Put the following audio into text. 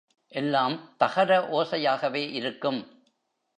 எல்லாம் தகர ஓசையாகவே இருக்கும்.